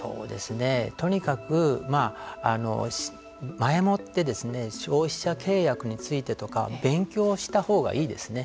とにかく前もって消費者契約についてとかを勉強したほうがいいですね。